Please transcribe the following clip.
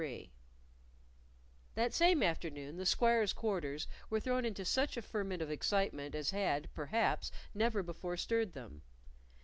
CHAPTER 23 That same afternoon the squires' quarters were thrown into such a ferment of excitement as had, perhaps, never before stirred them.